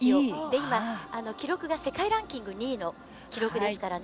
今、記録が世界ランキング２位の記録ですからね。